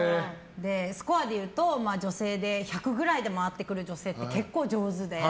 スコアでいうと女性で１００くらいで回ってくる女性って結構上手で。